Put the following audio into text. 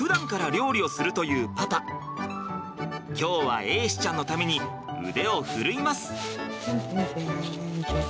今日は瑛志ちゃんのために腕を振るいます。